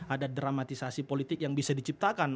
ada dramatisasi politik yang bisa diciptakan